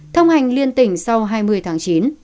thông hành liên tỉnh sau hai mươi tháng chín